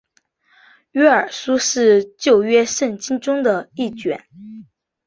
约珥书是旧约圣经中的一卷。